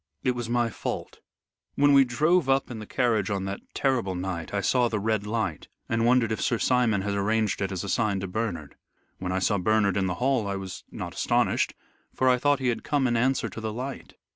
It was my fault. When we drove up in the carriage on that terrible night I saw the Red Light, and wondered if Sir Simon had arranged it as a sign to Bernard. When I saw Bernard in the hall I was not astonished, for I thought he had come in answer to the light.